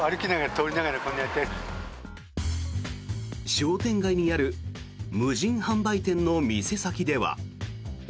商店街にある無人販売店の店先では。